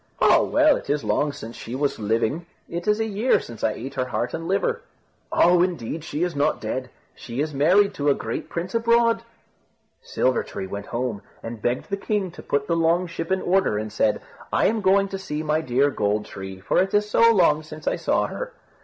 "Oh! well, it is long since she was living. It is a year since I ate her heart and liver." "Oh! indeed she is not dead. She is married to a great prince abroad." Silver tree went home, and begged the king to put the long ship in order, and said, "I am going to see my dear Gold tree, for it is so long since I saw her."